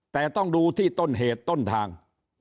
แต่ต้องดูที่ต้นเหตุต้นทาง